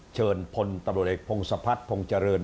เชิญพลตำรวจเอกพงศพัฒนพงษ์เจริญ